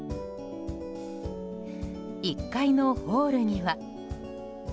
１階のホールには。